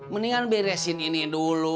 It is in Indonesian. mendingan beresin ini dulu